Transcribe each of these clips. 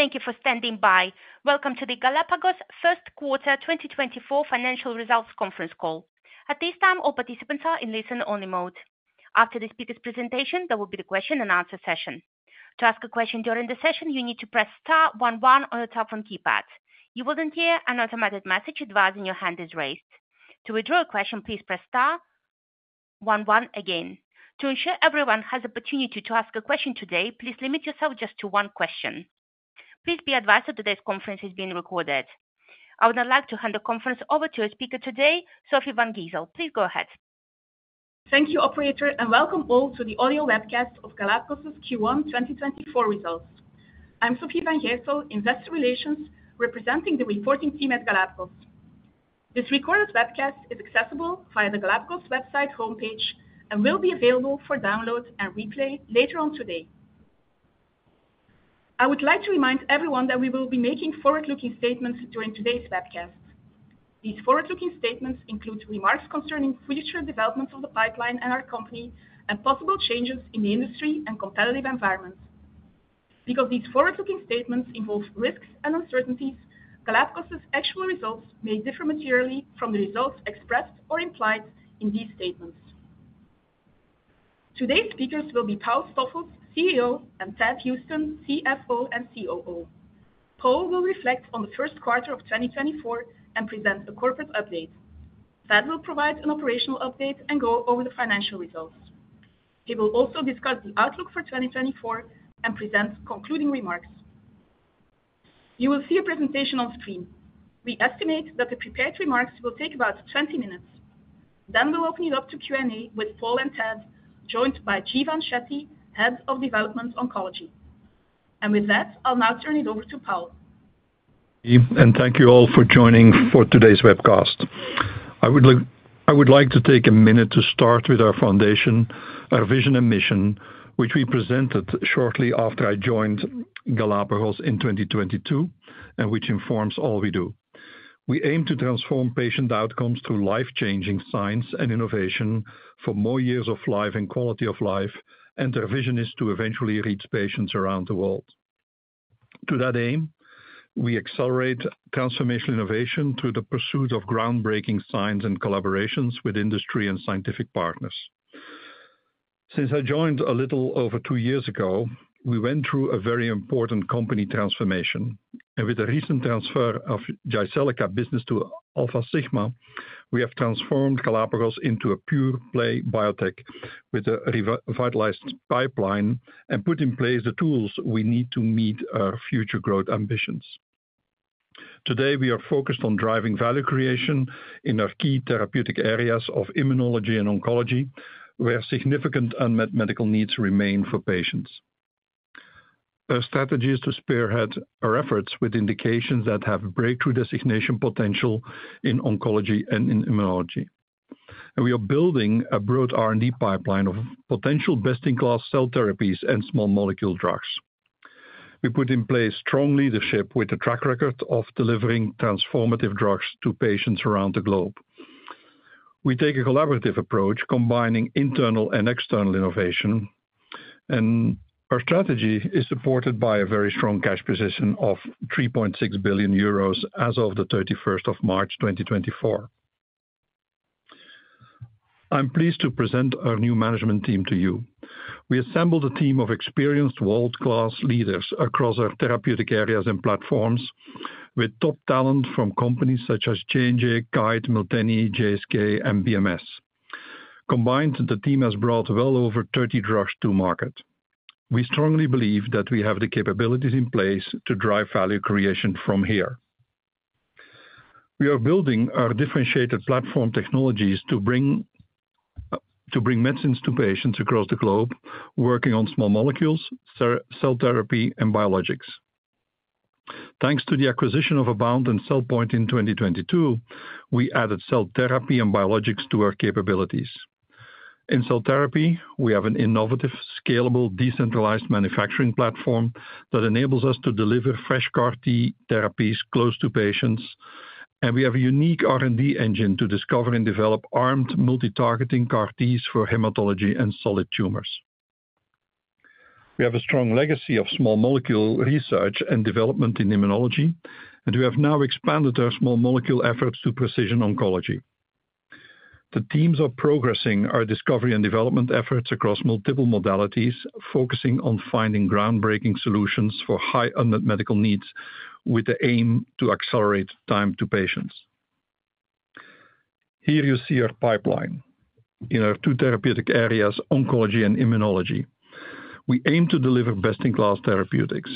Thank you for standing by. Welcome to the Galapagos first quarter 2024 financial results conference call. At this time, all participants are in listen-only mode. After the speaker's presentation, there will be the question-and-answer session. To ask a question during the session, you need to press star one-one on your telephone keypad. You will then hear an automated message advising your hand is raised. To withdraw a question, please press star one-one again. To ensure everyone has opportunity to ask a question today, please limit yourself just to one question. Please be advised that today's conference is being recorded. I would now like to hand the conference over to our speaker today, Sofie Van Gijsel. Please go ahead. Thank you, operator, and welcome all to the audio webcast of Galapagos's Q1 2024 results. I'm Sofie Van Gijsel, Investor Relations, representing the reporting team at Galapagos. This recorded webcast is accessible via the Galapagos website homepage and will be available for download and replay later on today. I would like to remind everyone that we will be making forward-looking statements during today's webcast. These forward-looking statements include remarks concerning future developments of the pipeline and our company, and possible changes in the industry and competitive environments. Because these forward-looking statements involve risks and uncertainties, Galapagos's actual results may differ materially from the results expressed or implied in these statements. Today's speakers will be Paul Stoffels, CEO, and Thad Huston, CFO and COO. Paul will reflect on the first quarter of 2024 and present a corporate update. Thad will provide an operational update and go over the financial results. He will also discuss the outlook for 2024 and present concluding remarks. You will see a presentation on screen. We estimate that the prepared remarks will take about 20 minutes. Then we'll open it up to Q&A with Paul and Thad, joined by Jeevan Shetty, Head of Development Oncology. With that, I'll now turn it over to Paul. Thank you all for joining for today's webcast. I would like, I would like to take a minute to start with our foundation, our vision and mission, which we presented shortly after I joined Galapagos in 2022, and which informs all we do. We aim to transform patient outcomes through life-changing science and innovation for more years of life and quality of life, and our vision is to eventually reach patients around the world. To that aim, we accelerate transformational innovation through the pursuit of groundbreaking science and collaborations with industry and scientific partners. Since I joined a little over two years ago, we went through a very important company transformation, and with the recent transfer of Jyseleca business to Alfasigma, we have transformed Galapagos into a pure-play biotech with a revitalized pipeline and put in place the tools we need to meet our future growth ambitions. Today, we are focused on driving value creation in our key therapeutic areas of immunology and oncology, where significant unmet medical needs remain for patients. Our strategy is to spearhead our efforts with indications that have breakthrough designation potential in oncology and in immunology. We are building a broad R&D pipeline of potential best-in-class cell therapies and small molecule drugs. We put in place strong leadership with a track record of delivering transformative drugs to patients around the globe. We take a collaborative approach, combining internal and external innovation, and our strategy is supported by a very strong cash position of 3.6 billion euros as of the 31st of March, 2024. I'm pleased to present our new management team to you. We assembled a team of experienced world-class leaders across our therapeutic areas and platforms, with top talent from companies such as J&J, Kite, Miltenyi, GSK, and BMS. Combined, the team has brought well over 30 drugs to market. We strongly believe that we have the capabilities in place to drive value creation from here. We are building our differentiated platform technologies to bring, to bring medicines to patients across the globe, working on small molecules, cell therapy, and biologics. Thanks to the acquisition of AboundBio and CellPoint in 2022, we added cell therapy and biologics to our capabilities. In cell therapy, we have an innovative, scalable, decentralized manufacturing platform that enables us to deliver fresh CAR-T therapies close to patients, and we have a unique R&D engine to discover and develop armed multi-targeting CAR-Ts for hematology and solid tumors. We have a strong legacy of small molecule research and development in immunology, and we have now expanded our small molecule efforts to precision oncology. The teams are progressing our discovery and development efforts across multiple modalities, focusing on finding groundbreaking solutions for high unmet medical needs, with the aim to accelerate time to patients. Here you see our pipeline. In our two therapeutic areas, oncology and immunology, we aim to deliver best-in-class therapeutics.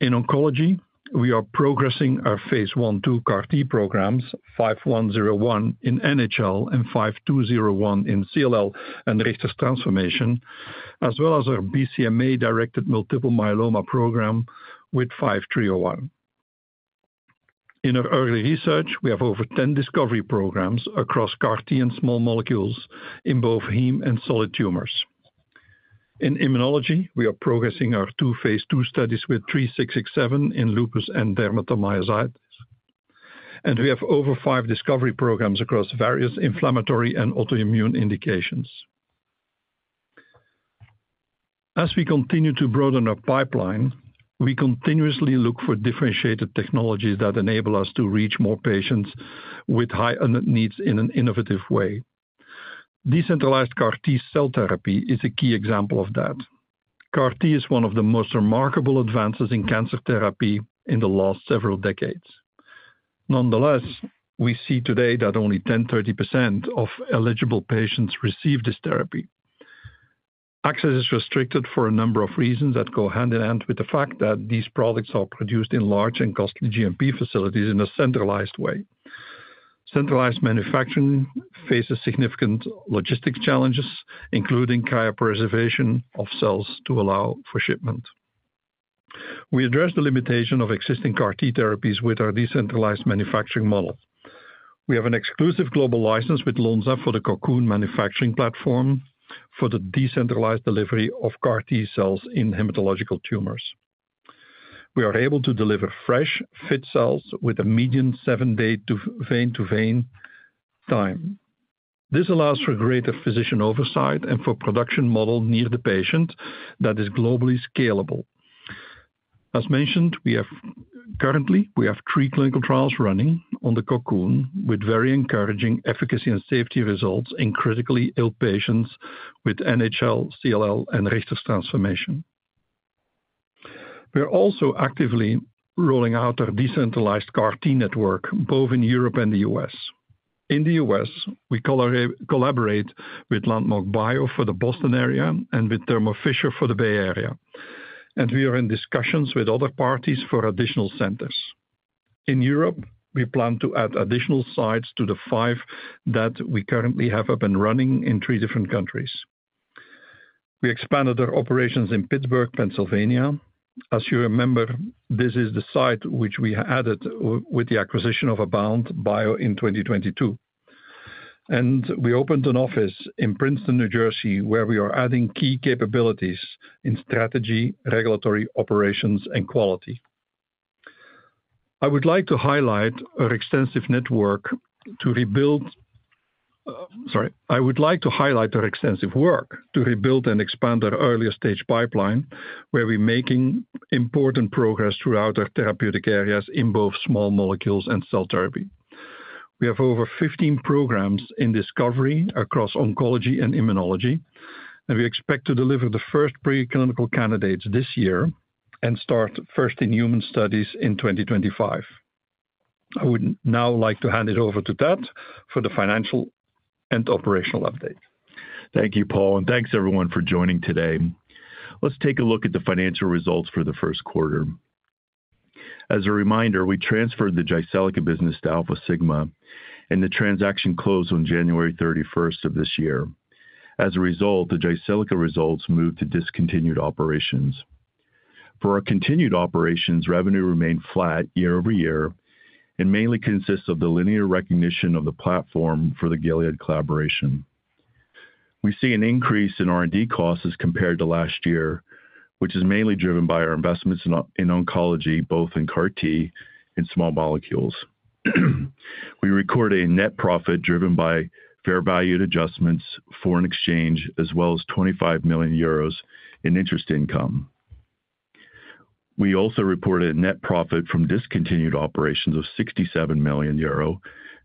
In oncology, we are progressing our phase I/II CAR-T programs, 5101 in NHL and 5201 in CLL and transformation, as well as our BCMA-directed multiple myeloma program with 5301. In our early research, we have over 10 discovery programs across CAR-T and small molecules in both heme and solid tumors. In immunology, we are progressing our two phase II studies with 3667 in lupus and dermatomyositis, and we have over five discovery programs across various inflammatory and autoimmune indications. As we continue to broaden our pipeline, we continuously look for differentiated technologies that enable us to reach more patients with high unmet needs in an innovative way. Decentralized CAR T-cell therapy is a key example of that. CAR-T is one of the most remarkable advances in cancer therapy in the last several decades. Nonetheless, we see today that only 10%-30% of eligible patients receive this therapy. Access is restricted for a number of reasons that go hand in hand with the fact that these products are produced in large and costly GMP facilities in a centralized way. Centralized manufacturing faces significant logistics challenges, including cryopreservation of cells to allow for shipment. We address the limitation of existing CAR-T therapies with our decentralized manufacturing model. We have an exclusive global license with Lonza for the Cocoon manufacturing platform for the decentralized delivery of CAR T-cells in hematological tumors. We are able to deliver fresh, fit cells with a median seven-day vein-to-vein time. This allows for greater physician oversight and for production model near the patient that is globally scalable. As mentioned, currently, we have three clinical trials running on the Cocoon, with very encouraging efficacy and safety results in critically ill patients with NHL, CLL, and Richter's transformation. We are also actively rolling out our decentralized CAR-T network, both in Europe and the U.S. In the U.S., we collaborate with Landmark Bio for the Boston area and with Thermo Fisher for the Bay Area, and we are in discussions with other parties for additional centers. In Europe, we plan to add additional sites to the five that we currently have up and running in three different countries. We expanded our operations in Pittsburgh, Pennsylvania. As you remember, this is the site which we added with the acquisition of AboundBio in 2022. We opened an office in Princeton, New Jersey, where we are adding key capabilities in strategy, regulatory operations, and quality. I would like to highlight our extensive work to rebuild and expand our early stage pipeline, where we're making important progress throughout our therapeutic areas in both small molecules and cell therapy. We have over 15 programs in discovery across oncology and immunology, and we expect to deliver the first preclinical candidates this year and start first in human studies in 2025. I would now like to hand it over to Thad for the financial and operational update. Thank you, Paul, and thanks, everyone, for joining today. Let's take a look at the financial results for the first quarter. As a reminder, we transferred the Jyseleca business to Alfasigma, and the transaction closed on January 31st of this year. As a result, the Jyseleca results moved to discontinued operations. For our continued operations, revenue remained flat year-over-year and mainly consists of the linear recognition of the platform for the Gilead collaboration. We see an increase in R&D costs as compared to last year, which is mainly driven by our investments in in oncology, both in CAR-T and small molecules. We record a net profit driven by fair value adjustments, foreign exchange, as well as 25 million euros in interest income. We also reported net profit from discontinued operations of 67 million euro,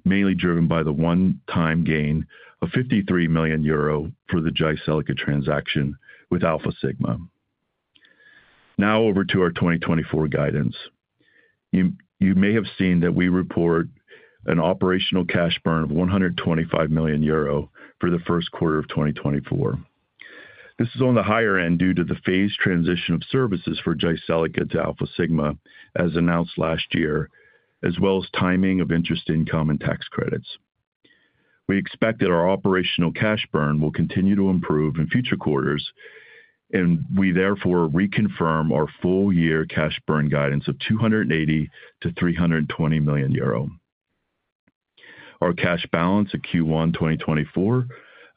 mainly driven by the one-time gain of 53 million euro for the Jyseleca transaction with Alfasigma. Now over to our 2024 guidance. You may have seen that we report an operational cash burn of 125 million euro for the first quarter of 2024. This is on the higher end due to the phased transition of services for Jyseleca to Alfasigma, as announced last year, as well as timing of interest income and tax credits. We expect that our operational cash burn will continue to improve in future quarters, and we therefore reconfirm our full year cash burn guidance of 280 million-320 million euro. Our cash balance at Q1 2024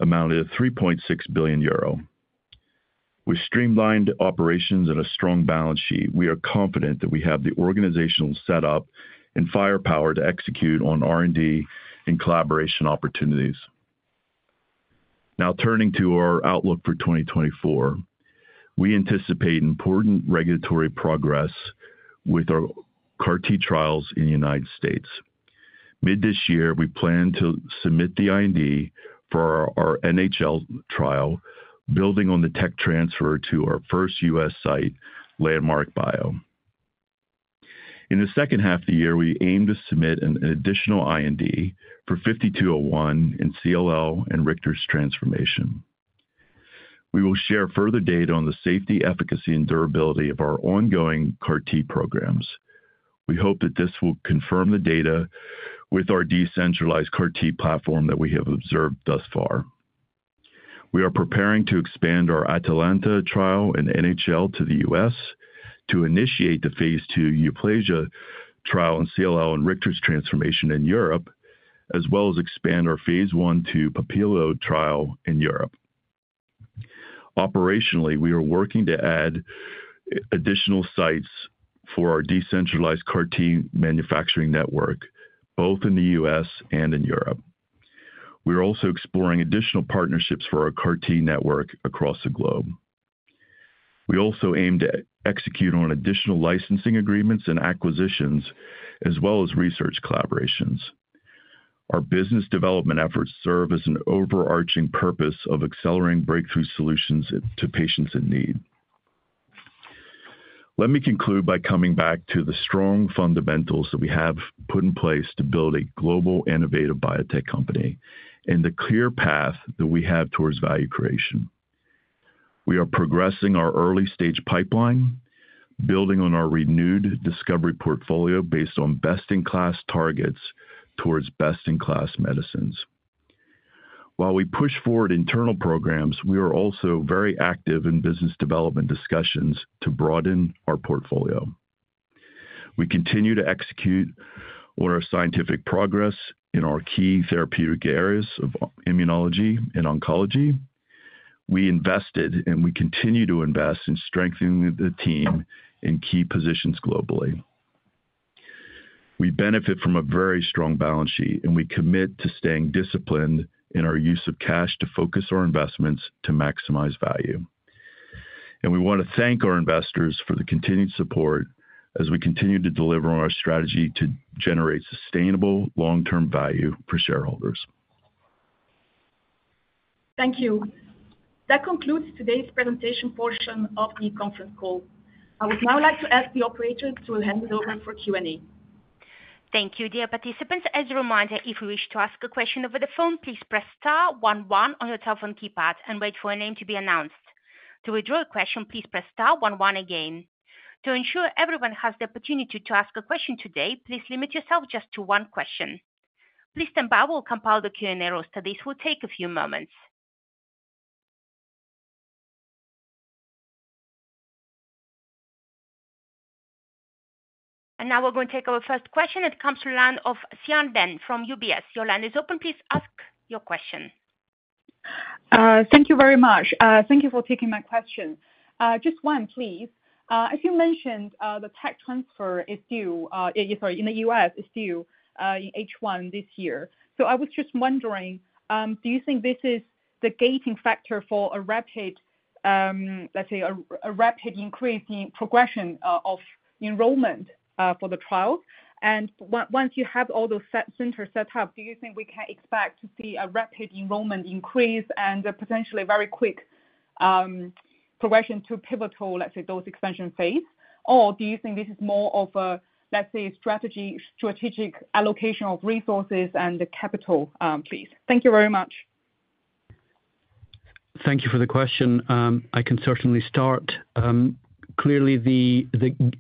amounted to 3.6 billion euro. With streamlined operations and a strong balance sheet, we are confident that we have the organizational setup and firepower to execute on R&D and collaboration opportunities. Now, turning to our outlook for 2024. We anticipate important regulatory progress with our CAR-T trials in the United States. Mid this year, we plan to submit the IND for our NHL trial, building on the tech transfer to our first U.S. site, Landmark Bio. In the second half of the year, we aim to submit an additional IND for 5201 in CLL and Richter's transformation. We will share further data on the safety, efficacy, and durability of our ongoing CAR-T programs. We hope that this will confirm the data with our decentralized CAR-T platform that we have observed thus far. We are preparing to expand our Atalanta trial in NHL to the U.S. to initiate the phase II Euplagia trial in CLL and Richter's transformation in Europe, as well as expand our phase I/II Papillon trial in Europe. Operationally, we are working to add additional sites for our decentralized CAR-T manufacturing network, both in the U.S. and in Europe. We are also exploring additional partnerships for our CAR-T network across the globe. We also aim to execute on additional licensing agreements and acquisitions, as well as research collaborations. Our business development efforts serve as an overarching purpose of accelerating breakthrough solutions to patients in need. Let me conclude by coming back to the strong fundamentals that we have put in place to build a global, innovative biotech company, and the clear path that we have towards value creation. We are progressing our early stage pipeline, building on our renewed discovery portfolio based on best-in-class targets towards best-in-class medicines. While we push forward internal programs, we are also very active in business development discussions to broaden our portfolio. We continue to execute on our scientific progress in our key therapeutic areas of immunology and oncology. We invested, and we continue to invest in strengthening the team in key positions globally. We benefit from a very strong balance sheet, and we commit to staying disciplined in our use of cash to focus our investments to maximize value. We want to thank our investors for the continued support as we continue to deliver on our strategy to generate sustainable long-term value for shareholders. Thank you. That concludes today's presentation portion of the conference call. I would now like to ask the operator to hand it over for Q&A. Thank you, dear participants. As a reminder, if you wish to ask a question over the phone, please press star one-one on your telephone keypad and wait for your name to be announced. To withdraw a question, please press star one-one again. To ensure everyone has the opportunity to ask a question today, please limit yourself just to one question. Please stand by. We'll compile the Q&A roster. This will take a few moments. Now we're going to take our first question. It comes to the line of Xian Deng from UBS. Your line is open. Please ask your question. Thank you very much. Thank you for taking my question. Just one, please. As you mentioned, the tech transfer is due, sorry, in the U.S. is due, in H1 this year. So I was just wondering, do you think this is the gating factor for a rapid, let's say a rapid increase in progression, of enrollment, for the trial? And once you have all those set, centers set up, do you think we can expect to see a rapid enrollment increase and a potentially very quick, progression to pivotal, let's say, those expansion phase? Or do you think this is more of a, let's say, strategic allocation of resources and the capital, please? Thank you very much. Thank you for the question. I can certainly start. Clearly, the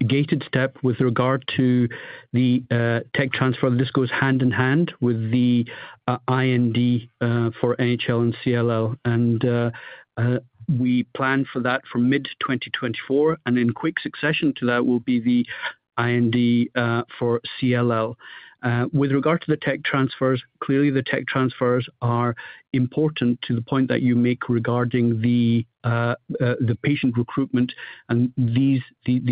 gated step with regard to the tech transfer, this goes hand in hand with the IND for NHL and CLL. And, we plan for that for mid-2024, and in quick succession to that will be the IND for CLL. With regard to the tech transfers, clearly the tech transfers are important to the point that you make regarding the patient recruitment, and these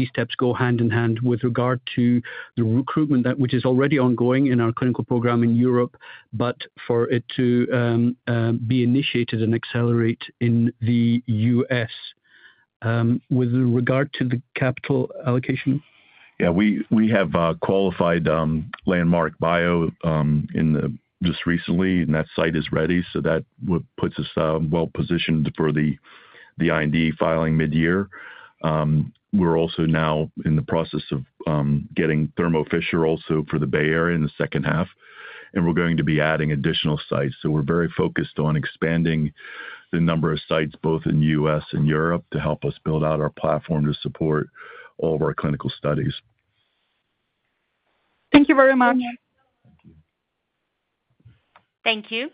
steps go hand in hand with regard to the recruitment that which is already ongoing in our clinical program in Europe, but for it to be initiated and accelerate in the U.S. With regard to the capital allocation? Yeah, we have qualified Landmark Bio just recently, and that site is ready, so that puts us well positioned for the IND filing mid-year. We're also now in the process of getting Thermo Fisher also for the Bay Area in the second half, and we're going to be adding additional sites. So we're very focused on expanding the number of sites both in the U.S. and Europe, to help us build out our platform to support all of our clinical studies. Thank you very much. Thank you.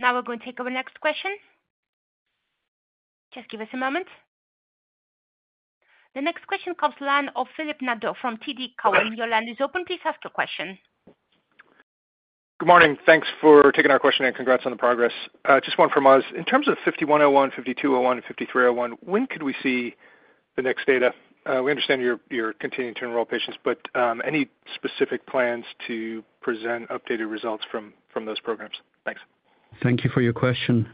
Now we're going to take our next question. Just give us a moment. The next question comes from the line of Philip Nadeau from TD Cowen. Your line is open. Please ask your question. Good morning. Thanks for taking our question, and congrats on the progress. Just one from us. In terms of 5101, 5201, and 5301, when could we see the next data? We understand you're continuing to enroll patients, but any specific plans to present updated results from those programs? Thanks. Thank you for your question.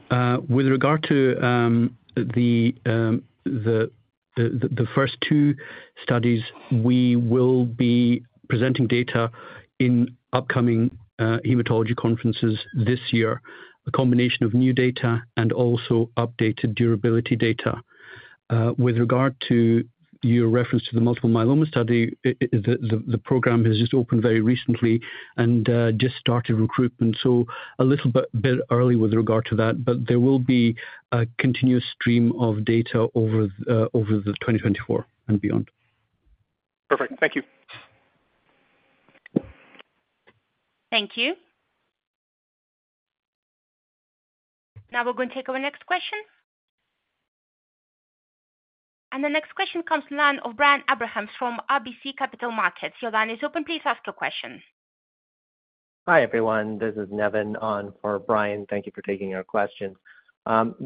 With regard to the first two studies, we will be presenting data in upcoming hematology conferences this year, a combination of new data and also updated durability data. With regard to your reference to the Multiple Myeloma study, the program has just opened very recently and just started recruitment, so a little bit early with regard to that, but there will be a continuous stream of data over 2024 and beyond. Perfect. Thank you. Thank you. Now we're going to take our next question. The next question comes the line of Brian Abrahams from RBC Capital Markets. Your line is open. Please ask your question. Hi, everyone. This is Nevin on for Brian. Thank you for taking our question.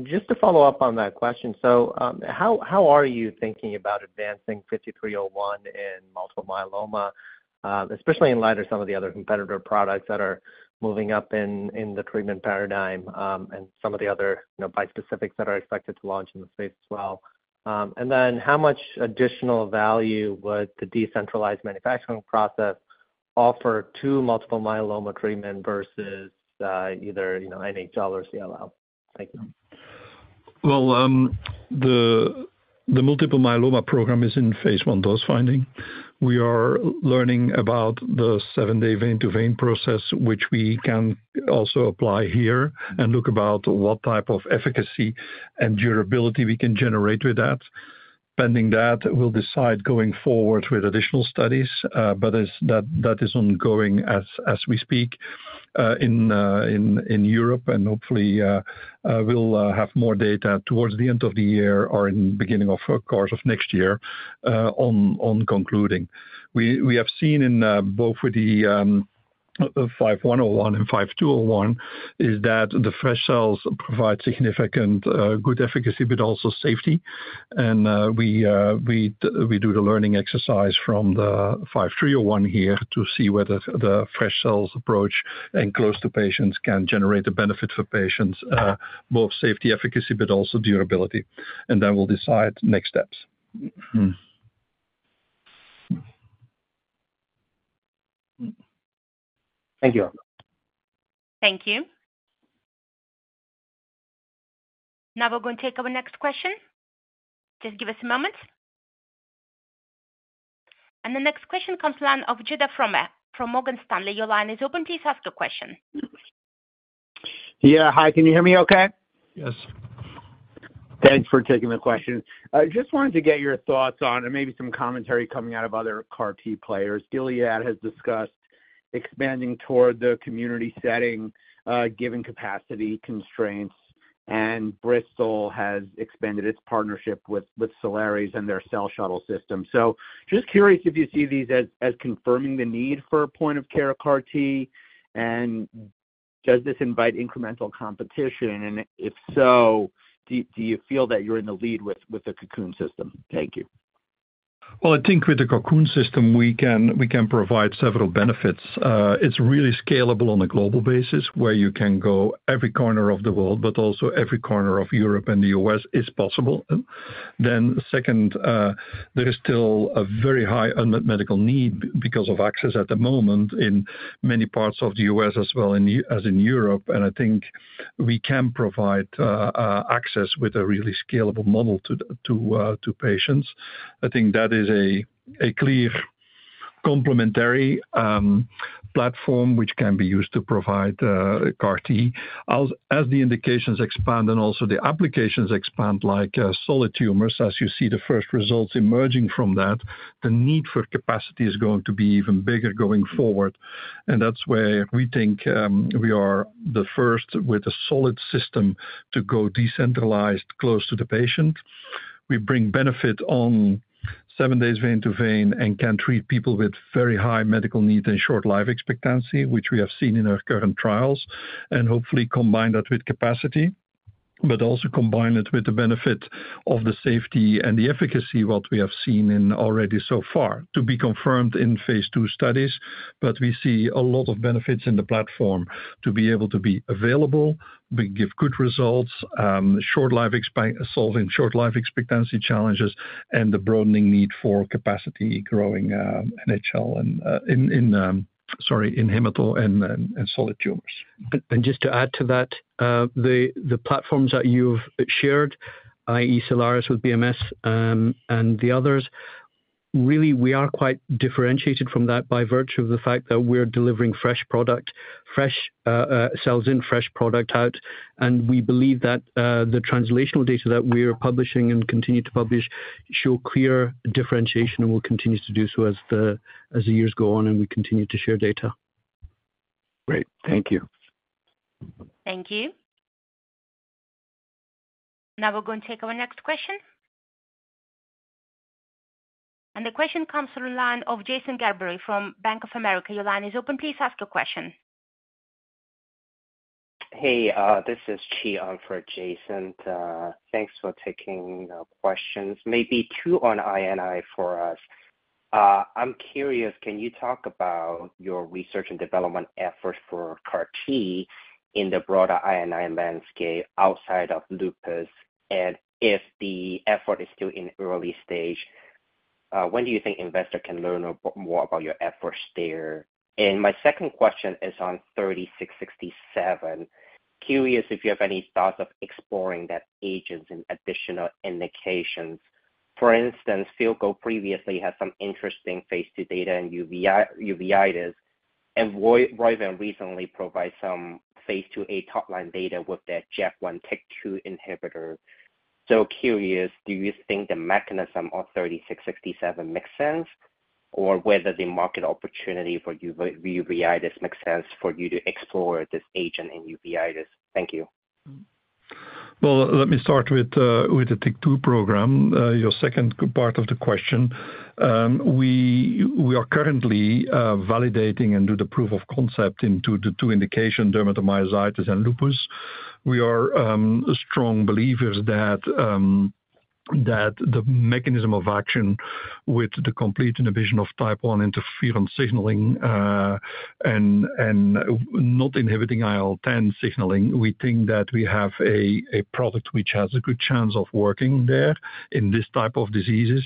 Just to follow up on that question, so, how are you thinking about advancing 5301 in multiple myeloma, especially in light of some of the other competitor products that are moving up in the treatment paradigm, and some of the other, you know, bispecific that are expected to launch in the space as well? And then how much additional value would the decentralized manufacturing process offer to multiple myeloma treatment versus, either, you know, NHL or CLL? Thank you. Well, the multiple myeloma program is in phase I dose finding. We are learning about the seven-day vein-to-vein process, which we can also apply here and look about what type of efficacy and durability we can generate with that. Pending that, we'll decide going forward with additional studies, but as that is ongoing as we speak, in Europe, and hopefully, we'll have more data towards the end of the year or in beginning of course of next year, on concluding. We have seen in both with the 5101 and 5201, is that the fresh cells provide significant good efficacy, but also safety. We do the learning exercise from the 5301 here to see whether the fresh cells approach and close to patients can generate a benefit for patients, both safety, efficacy, but also durability, and then we'll decide next steps. Thank you. Thank you. Now we're going to take our next question. Just give us a moment. And the next question comes the line of Judah Frommer from Morgan Stanley. Your line is open. Please ask your question. Yeah. Hi, can you hear me okay? Yes. Thanks for taking the question. I just wanted to get your thoughts on, and maybe some commentary coming out of other CAR-T players. Gilead has discussed expanding toward the community setting, given capacity constraints, and Bristol has expanded its partnership with Cellares and their Cell Shuttle system. So just curious if you see these as confirming the need for a point of care CAR-T, and does this invite incremental competition? And if so, do you feel that you're in the lead with the Cocoon system? Thank you. Well, I think with the Cocoon system, we can provide several benefits. It's really scalable on a global basis, where you can go every corner of the world, but also every corner of Europe and the U.S. is possible. Then second, there is still a very high unmet medical need because of access at the moment in many parts of the U.S. as well as in Europe, and I think we can provide access with a really scalable model to patients. I think that is a clear complementary platform, which can be used to provide CAR-T. As the indications expand and also the applications expand, like solid tumors, as you see the first results emerging from that, the need for capacity is going to be even bigger going forward. And that's where we think we are the first with a solid system to go decentralized, close to the patient. We bring benefit on seven days vein-to-vein and can treat people with very high medical needs and short life expectancy, which we have seen in our current trials, and hopefully combine that with capacity, but also combine it with the benefit of the safety and the efficacy, what we have seen in already so far, to be confirmed in phase II studies. But we see a lot of benefits in the platform to be able to be available, we give good results, short life expectancy challenges, and the broadening need for capacity growing, NHL and in hematology and solid tumors. And just to add to that, the platforms that you've shared, i.e., Cell Shuttle with BMS, and the others, really, we are quite differentiated from that by virtue of the fact that we're delivering fresh product, fresh cells in, fresh product out. And we believe that the translational data that we are publishing and continue to publish show clear differentiation and will continue to do so as the years go on and we continue to share data. Great. Thank you. Thank you. Now we're going to take our next question. The question comes through the line of Jason Gerberry from Bank of America. Your line is open, please ask your question. Hey, this is Chi on for Jason. Thanks for taking the questions. Maybe two on IND for us. I'm curious, can you talk about your research and development efforts for CAR-T in the broader IND landscape outside of lupus, and if the effort is still in early stage, when do you think investor can learn a bit more about your efforts there? And my second question is on 3667. Curious if you have any thoughts of exploring that agent in additional indications. For instance, filgotinib previously had some interesting phase II data in uveitis, and Roivant recently provided some phase II top-line data with their JAK1/TYK2 inhibitor. So curious, do you think the mechanism of 3667 makes sense, or whether the market opportunity for uveitis makes sense for you to explore this agent in uveitis? Thank you. Well, let me start with the, with the TYK2 program, your second part of the question. We are currently validating and do the proof of concept in the two indications, dermatomyositis and lupus. We are strong believers that that the mechanism of action with the complete inhibition of type one interferon signaling, and not inhibiting IL-10 signaling, we think that we have a product which has a good chance of working there in this type of diseases.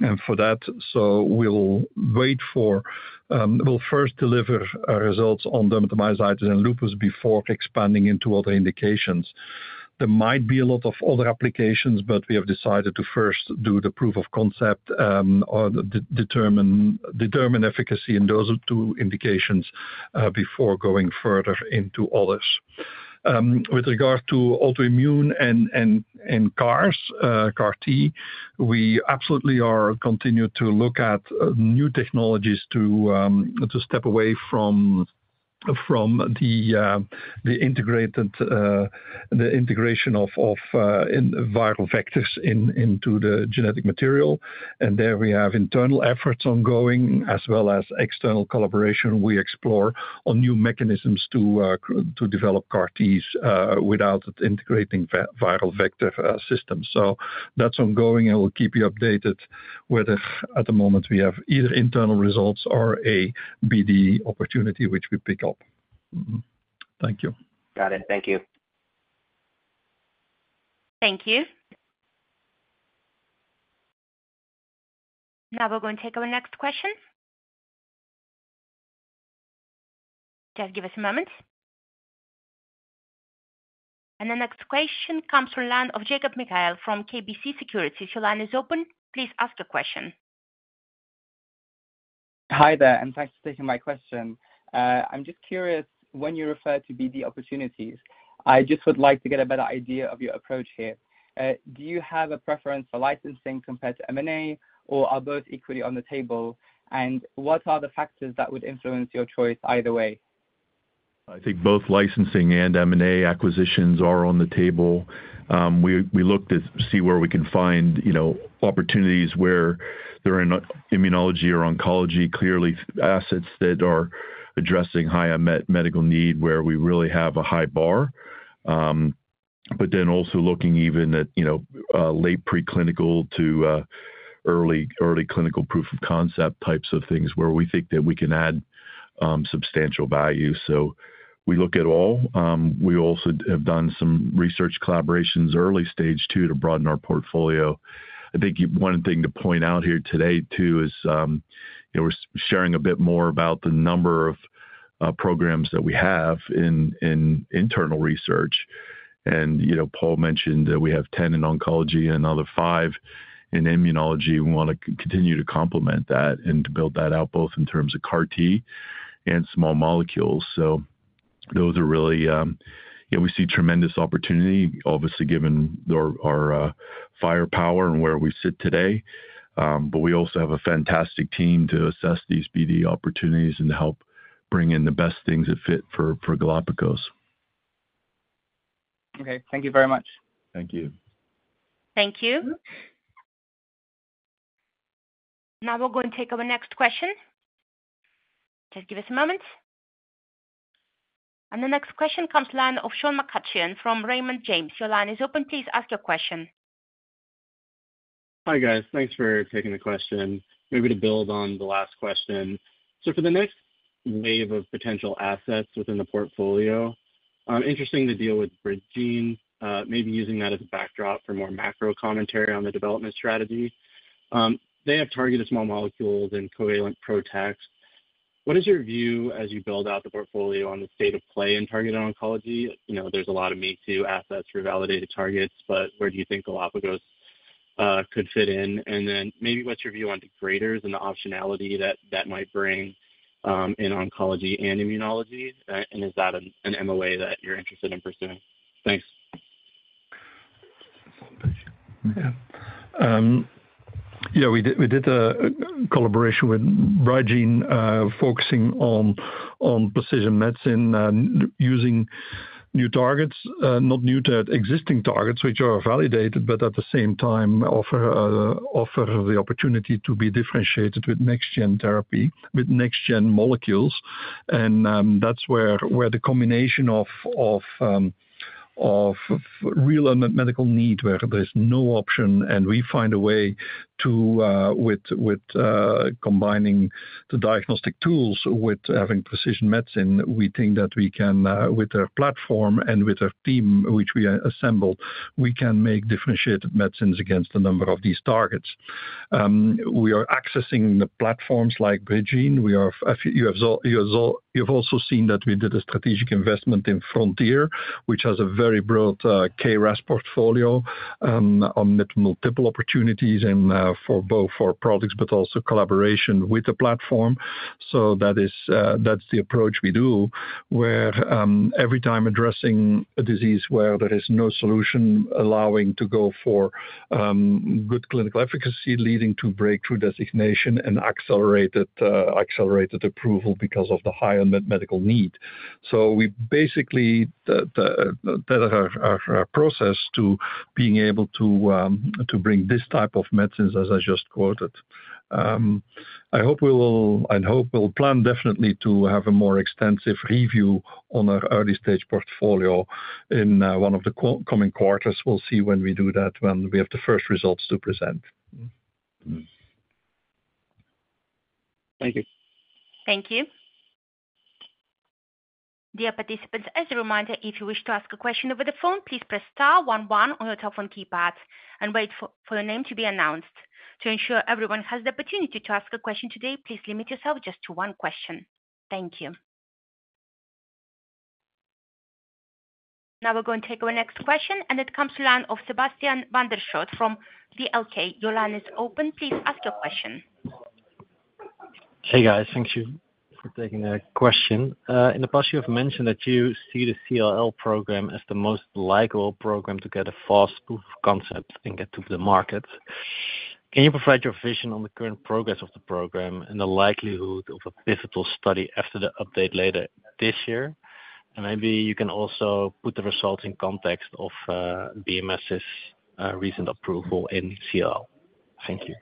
And for that, so we'll wait for, we'll first deliver our results on dermatomyositis and lupus before expanding into other indications. There might be a lot of other applications, but we have decided to first do the proof of concept, or determine efficacy in those two indications, before going further into others. With regard to autoimmune and CAR-T, we absolutely are continuing to look at new technologies to step away from the integration of viral vectors into the genetic material. And there we have internal efforts ongoing as well as external collaboration we explore on new mechanisms to develop CAR-Ts without integrating viral vector systems. So that's ongoing, and we'll keep you updated whether at the moment we have either internal results or a BD opportunity, which we pick up. Mm-hmm. Thank you. Got it. Thank you. Thank you. Now we're going to take our next question. Just give us a moment. The next question comes from the line of Jacob Mekhael from KBC Securities. Your line is open. Please ask your question. Hi there, and thanks for taking my question. I'm just curious, when you refer to BD opportunities, I just would like to get a better idea of your approach here. Do you have a preference for licensing compared to M&A, or are both equally on the table? And what are the factors that would influence your choice either way? I think both licensing and M&A acquisitions are on the table. We looked to see where we can find, you know, opportunities where they're in immunology or oncology, clearly assets that are addressing high medical need, where we really have a high bar. But then also looking even at, you know, late preclinical to, early clinical proof of concept types of things, where we think that we can add substantial value. So we look at all. We also have done some research collaborations, early stage, too, to broaden our portfolio. I think one thing to point out here today, too, is, you know, we're sharing a bit more about the number of programs that we have in internal research. And, you know, Paul mentioned that we have 10 in oncology and another five in immunology. We wanna continue to complement that and to build that out, both in terms of CAR-T and small molecules. So those are really... Yeah, we see tremendous opportunity, obviously, given our firepower and where we sit today, but we also have a fantastic team to assess these BD opportunities and help bring in the best things that fit for Galapagos. Okay, thank you very much. Thank you. Thank you. Now we're going to take our next question. Just give us a moment. The next question comes from the line of Sean McCutcheon from Raymond James. Your line is open. Please ask your question. Hi, guys. Thanks for taking the question. Maybe to build on the last question. So for the next wave of potential assets within the portfolio, interesting to deal with BridGene, maybe using that as a backdrop for more macro commentary on the development strategy. They have targeted small molecules and covalent PROTACs. What is your view as you build out the portfolio on the state of play in targeted oncology? You know, there's a lot of me-too assets for validated targets, but where do you think Galapagos could fit in? And then maybe what's your view on degraders and the optionality that that might bring in oncology and immunology, and is that an MOA that you're interested in pursuing? Thanks. Yeah. Yeah, we did a collaboration with BridGene, focusing on precision medicine, using new targets, not new to existing targets, which are validated, but at the same time offer the opportunity to be differentiated with next gen therapy, with next-gen molecules. And that's where the combination of real and medical need, where there's no option, and we find a way to, with combining the diagnostic tools with having precision medicine, we think that we can, with our platform and with our team, which we are assembled, we can make differentiated medicines against a number of these targets. We are accessing the platforms like BridGene. You've also seen that we did a strategic investment in Frontier, which has a very broad KRAS portfolio on multiple opportunities and for both for products but also collaboration with the platform. So that is, that's the approach we do, where every time addressing a disease where there is no solution, allowing to go for good clinical efficacy, leading to breakthrough designation and accelerated approval because of the high unmet medical need. So we basically, that's our process to being able to bring this type of medicines as I just quoted. I hope we will and hope we'll plan definitely to have a more extensive review on our early-stage portfolio in one of the coming quarters. We'll see when we do that, when we have the first results to present. Mm. Thank you. Thank you. Dear participants, as a reminder, if you wish to ask a question over the phone, please press star one-one on your telephone keypad and wait for your name to be announced. To ensure everyone has the opportunity to ask a question today, please limit yourself just to one question. Thank you. Now we're going to take our next question, and it comes to the line of Sebastiaan van der Schoot from VLK. Your line is open. Please ask your question. Hey, guys. Thank you for taking the question. In the past, you have mentioned that you see the CLL program as the most likely program to get a fast proof of concept and get to the market. Can you provide your vision on the current progress of the program and the likelihood of a pivotal study after the update later this year? And maybe you can also put the results in context of BMS's recent approval in CLL. Thank you.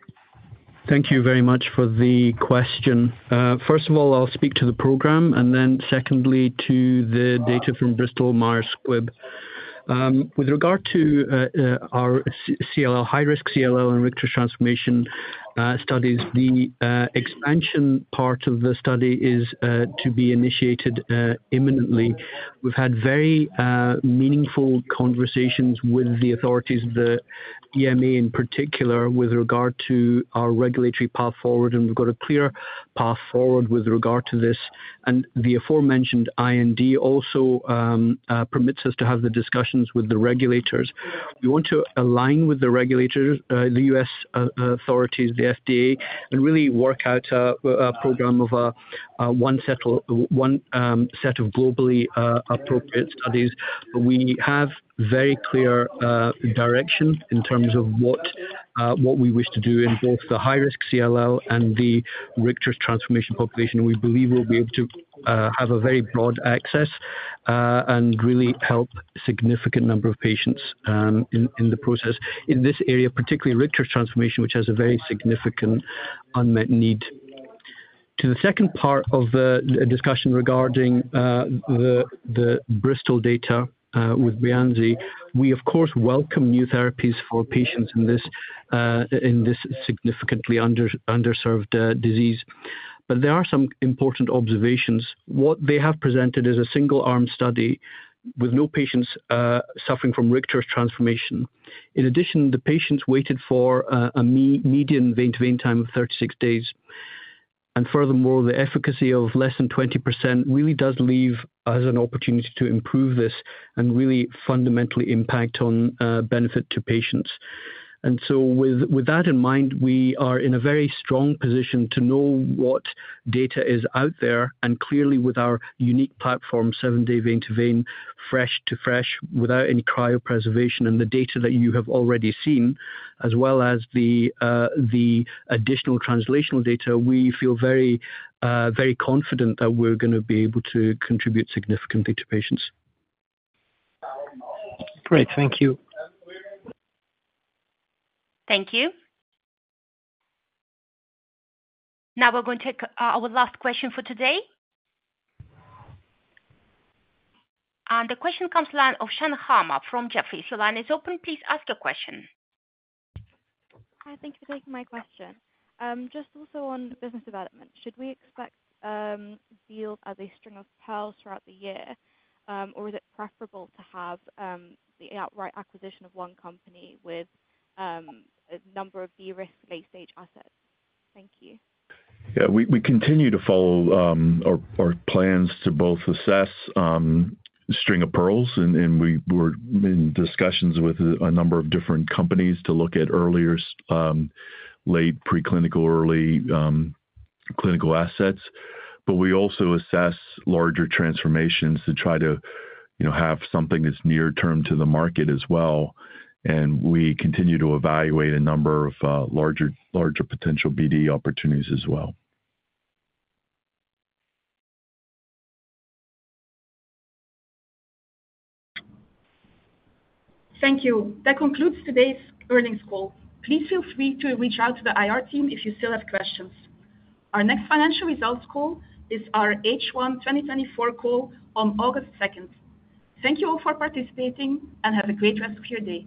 Thank you very much for the question. First of all, I'll speak to the program, and then secondly, to the data from Bristol Myers Squibb. With regard to our CLL, high-risk CLL and Richter's transformation studies, the expansion part of the study is to be initiated imminently. We've had very meaningful conversations with the authorities, the EMA in particular, with regard to our regulatory path forward, and we've got a clear path forward with regard to this. And the aforementioned IND also permits us to have the discussions with the regulators. We want to align with the regulators, the U.S. authorities, the FDA, and really work out a program of one set of globally appropriate studies. We have very clear direction in terms of what we wish to do in both the high-risk CLL and the Richter's transformation population. We believe we'll be able to have a very broad access and really help a significant number of patients in the process. In this area, particularly Richter's transformation, which has a very significant unmet need. To the second part of the discussion regarding the Bristol data with Breyanzi, we of course welcome new therapies for patients in this significantly underserved disease. But there are some important observations. What they have presented is a single-arm study with no patients suffering from Richter's transformation. In addition, the patients waited for a median vein-to-vein time of 36 days. Furthermore, the efficacy of less than 20% really does leave us an opportunity to improve this and really fundamentally impact on, benefit to patients. And so with, with that in mind, we are in a very strong position to know what data is out there, and clearly with our unique platform, seven-day vein-to-vein, fresh to fresh, without any cryopreservation and the data that you have already seen, as well as the, the additional translational data, we feel very confident that we're gonna be able to contribute significantly to patients. Great. Thank you. Thank you. Now we're going to take our last question for today. The question comes from the line of Shan Hama from Jefferies. The line is open, please ask your question. Hi, thank you for taking my question. Just also on business development, should we expect deals as a string of pearls throughout the year? Or is it preferable to have the outright acquisition of one company with a number of de-risk late-stage assets? Thank you. Yeah, we continue to follow our plans to both assess string of pearls, and we were in discussions with a number of different companies to look at earlier late preclinical, early clinical assets. But we also assess larger transformations to try to, you know, have something that's near-term to the market as well, and we continue to evaluate a number of larger potential BD opportunities as well. Thank you. That concludes today's earnings call. Please feel free to reach out to the IR team if you still have questions. Our next financial results call is our H1 2024 call on August second. Thank you all for participating and have a great rest of your day.